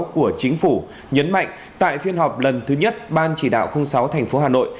của chính phủ nhấn mạnh tại phiên họp lần thứ nhất ban chỉ đạo sáu tp hà nội